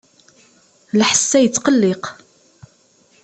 Lḥess-a yettqelliq.